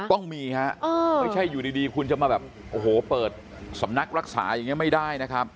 ต้องมีฮะไม่ใช่อยู่ดีคุณจะมาแบบโอ้โหเปิดสำนักรักษาอย่างนี้ไม่ได้นะครับ